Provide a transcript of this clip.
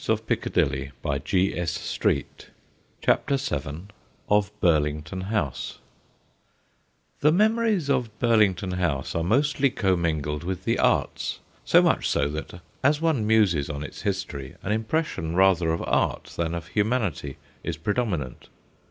OF BURLINGTON HOUSE 107 CHAPTEE VII OF BURLINGTON HOUSE THE memories of Burlington House are mostly commingled with the arts, so much so that as one muses on its history an im pression rather of art than of humanity is predominant.